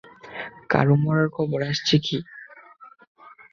কারো মরার খবর আসছে কী?